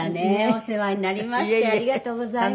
お世話になりましてありがとうございました。